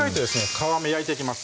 皮目焼いていきます